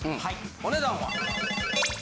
お値段は？